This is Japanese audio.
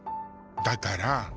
だから。